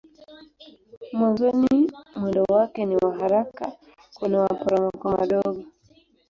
Mwanzoni mwendo wake ni wa haraka kuna maporomoko madogo.